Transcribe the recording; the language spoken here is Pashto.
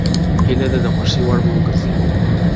هیله ده دخوښی وړمو وګرځی!!